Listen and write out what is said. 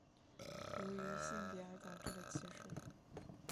由于性别而导致的歧视。